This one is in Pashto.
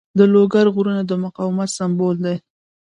د لوګر غرونه د مقاومت سمبول دي.